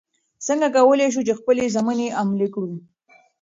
څنګه کولی شو خپلې ژمنې عملي کړو؟